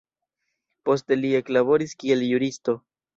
Poste li eklaboris kiel juristo.